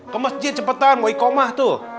ke masjid cepetan mau ikomah tuh